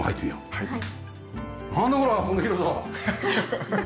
はい。